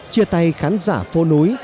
chia tay khán giả phố núi